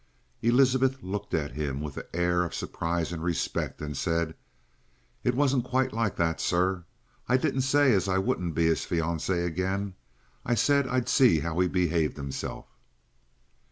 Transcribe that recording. Elizabeth looked at him with an air of surprise and respect, and said: "It wasn't quite like that, sir. I didn't say as I wouldn't be his fioncy again. I said I'd see how he behaved himself."